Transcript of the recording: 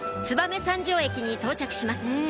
燕三条駅に到着します